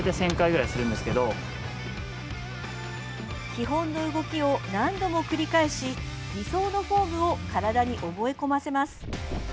基本の動きを何度も繰り返し理想のフォームを体に覚え込ませます。